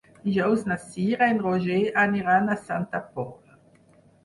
Dijous na Cira i en Roger aniran a Santa Pola.